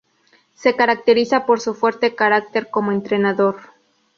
Se caracteriza por su fuerte carácter como entrenador.